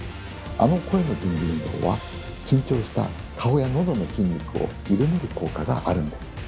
あの声の準備運動は緊張した顔や喉の筋肉を緩める効果があるんです。